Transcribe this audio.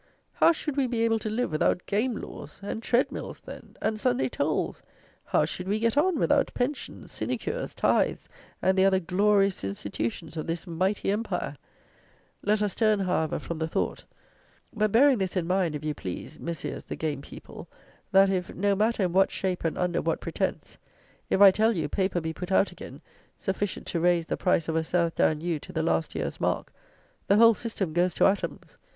how should we be able to live without game laws! And tread mills, then? And Sunday tolls? How should we get on without pensions, sinecures, tithes, and the other "glorious institutions" of this "mighty empire"? Let us turn, however, from the thought; but, bearing this in mind, if you please, Messieurs the game people; that if, no matter in what shape and under what pretence; if, I tell you, paper be put out again, sufficient to raise the price of a Southdown ewe to the last year's mark, the whole system goes to atoms.